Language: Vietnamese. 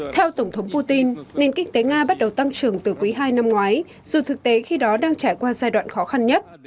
theo tổng thống putin nền kinh tế nga bắt đầu tăng trưởng từ quý ii năm ngoái dù thực tế khi đó đang trải qua giai đoạn khó khăn nhất